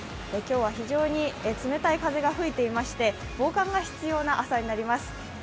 今日は非常に冷たい風が吹いていまして防寒が必要な朝になります。